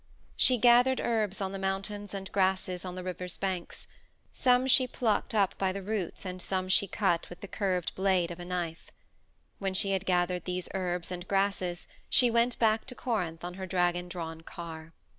She gathered herbs on the mountains and grasses on the rivers' banks; some she plucked up by the roots and some she cut with the curved blade of a knife. When she had gathered these herbs and grasses she went back to Corinth on her dragon drawn car.